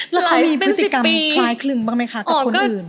หลายปี่ติดกรรมปฤศจิกรรมคล้ายครึ่งบ้างมั้ยคะกับคนอื่น